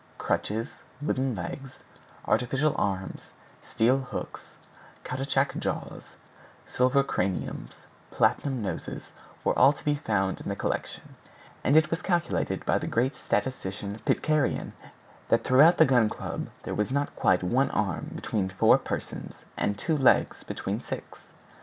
Crutches, wooden legs, artificial arms, steel hooks, caoutchouc jaws, silver craniums, platinum noses, were all to be found in the collection; and it was calculated by the great statistician Pitcairn that throughout the Gun Club there was not quite one arm between four persons and two legs between six.